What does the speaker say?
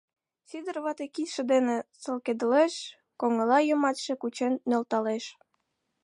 — Сидыр вате кидше дене солкедылеш, коҥыла йымачше кучен нӧлталеш.